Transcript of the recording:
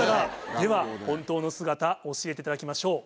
では本当の姿教えていただきましょう。